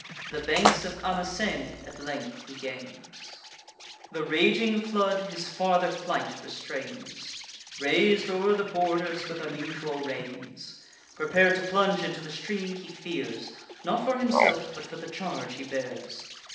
The banks of Amasene at length he gains: The raging flood his farther flight restrains, Rais'd o'er the borders with unusual rains. Prepar'd to plunge into the stream, he fears, Not for himself, but for the charge he bears.